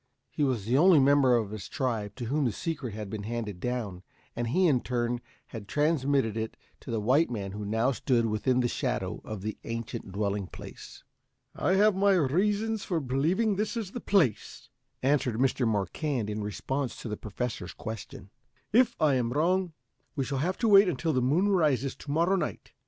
He was the only member of his tribe to whom the secret had been handed down, and he in turn had transmitted it to the white man who now stood within the shadow of the ancient dwelling place. "I have my reasons for believing this is the place," answered Mr. Marquand, in response to the Professor's question. "If I am wrong, we shall have to wait until the moon rises to morrow night.